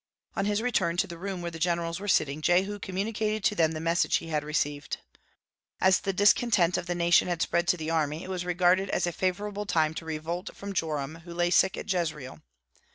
On his return to the room where the generals were sitting, Jehu communicated to them the message he had received. As the discontent of the nation had spread to the army, it was regarded as a favorable time to revolt from Joram, who lay sick at Jezreel.